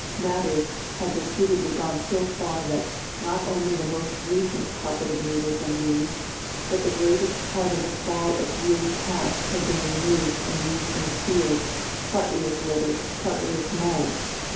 Matters had repeatedly gone so far that not only the most recent carpet of needles and leaves, but the greatest part of the fall of years past had been removed and used in the fields partly as litter, partly as mould.